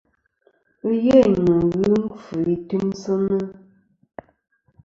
Ɨyêyn nɨ̀n ghɨ nkfɨ i timsɨnɨ.